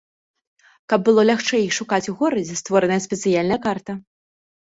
Каб было лягчэй іх шукаць у горадзе, створаная спецыяльная карта.